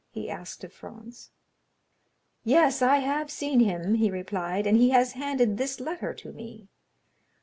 he asked of Franz. "Yes, I have seen him," he replied, "and he has handed this letter to me.